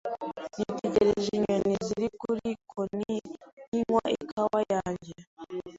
Nitegereje inyoni ziri kuri bkoni ninywa ikawa yanjye.